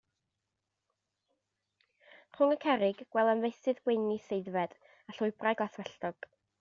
Rhwng y cerrig, gwelem feysydd gwenith aeddfed, a llwybrau glaswelltog.